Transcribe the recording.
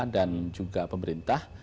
dan juga pemerintah